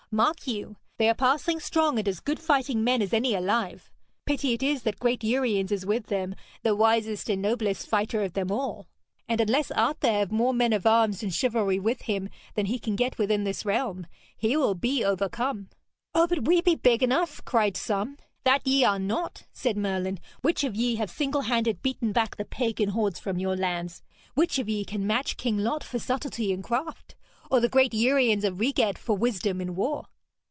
Mark you, they are passing strong and as good fighting men as any alive pity it is that great Uriens is with them, the wisest and noblest fighter of them all! and unless Arthur have more men of arms and chivalry with him than he can get within this realm, he will be overcome!' 'Oh, but we be big enough!' cried some. 'That ye are not!' said Merlin. 'Which of ye have single handed beaten back the pagan hordes from your lands? Which of ye can match King Lot for subtlety and craft, or the great Uriens of Reged for wisdom in war?'